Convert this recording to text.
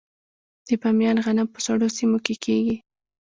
د بامیان غنم په سړو سیمو کې کیږي.